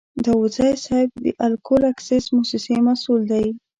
داودزی صیب د اکول اکسیس موسسې مسوول دی.